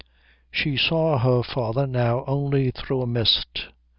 She saw her father now only through a mist.